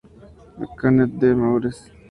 Le Cannet-des-Maures